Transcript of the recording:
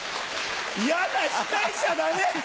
嫌な司会者だね。